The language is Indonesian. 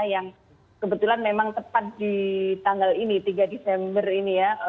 yang kebetulan memang tepat di tanggal ini tiga desember ini ya